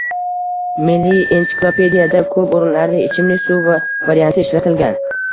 Milliy ensiklopediyada koʻp oʻrinlarda ichimlik suv varianti ishlatilgan